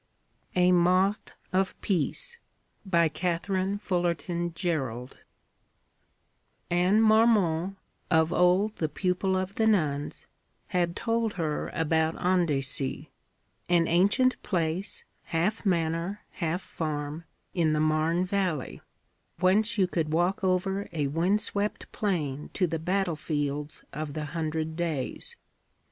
A MOTH OF PEACE BY KATHARINE FULLERTON GEROULD Anne Marmont, of old the pupil of the nuns, had told her about Andecy: an ancient place, half manor, half farm, in the Marne valley, whence you could walk over a wind swept plain to the battlefields of the Hundred Days.